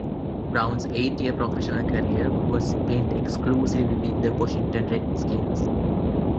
Brown's eight-year professional career was spent exclusively with the Washington Redskins.